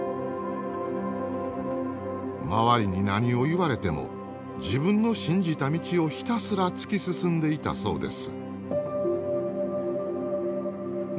周りに何を言われても自分の信じた道をひたすら突き進んでいたそうです。